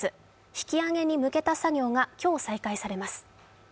引き揚げに向けた作業が今日、再開されます。